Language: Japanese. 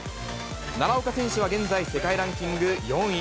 奈良岡選手は現在、世界ランキング４位。